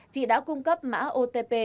chị đã cung cấp mã otp